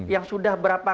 yang sudah berapa